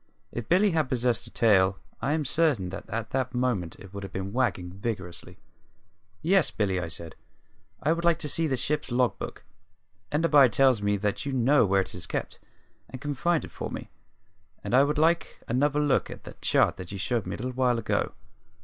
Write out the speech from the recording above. If Billy had possessed a tail I am certain that at that moment it would have been wagging vigorously. "Yes, Billy," I said. "I should like to see the ship's log book. Enderby tells me that you know where it is kept, and can find it for me. And I should like another look at the chart that you showed me a little while ago.